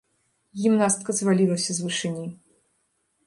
Гімнастка звалілася з вышыні.